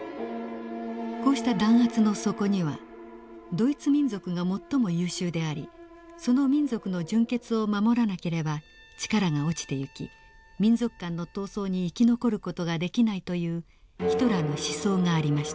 こうした弾圧の底にはドイツ民族が最も優秀でありその民族の純血を守らなければ力が落ちていき民族間の闘争に生き残る事ができないというヒトラーの思想がありました。